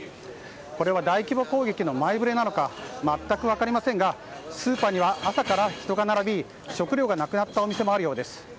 これは大規模攻撃の前触れなのか全く分かりませんがスーパーには朝から人が並び食料がなくなったお店もあるようです。